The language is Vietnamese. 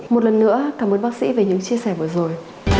một lần nữa cảm ơn bác sĩ về những chia sẻ vừa rồi